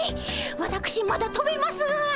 わたくしまだとべますが。